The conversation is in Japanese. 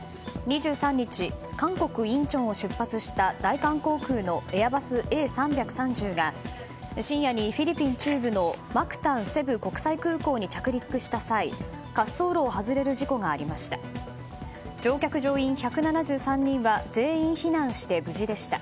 ２３日、韓国インチョンを出発した大韓航空のエアバスＡ３３０が深夜にフィリピン中部のマクタン・セブ国際空港に着陸した際、滑走路を外れる事故がありました。